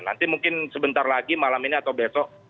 nanti mungkin sebentar lagi malam ini atau besok